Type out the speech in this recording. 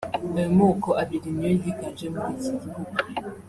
Ayo moko abiri niyo yiganje muri iki gihugu